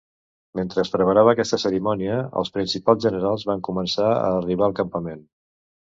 Mentre es preparava aquesta cerimònia, els principals generals van començar a arribar al campament.